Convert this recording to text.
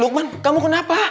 luqman kamu kenapa